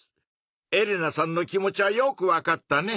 エレナさんの気持ちはよくわかったね。